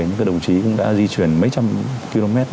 những cái đồng chí cũng đã di chuyển mấy trăm km